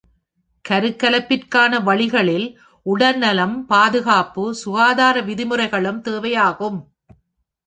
கருக்கலைப்பிற்கான வழிகளில் உடல்நலம், பாதுகாப்பு, சுகாதார விதிமுறைகளும் தேவையாகும்.